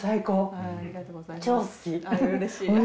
ありがとうございます。